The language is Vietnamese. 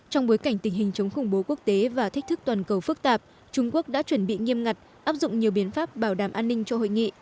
trong bối cảnh tình hình chống khủng bố quốc tế và thách thức toàn cầu phức tạp trung quốc đã chuẩn bị nghiêm ngặt áp dụng nhiều biện pháp bảo đảm an ninh cho hội nghị